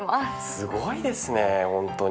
すごいですねホントに。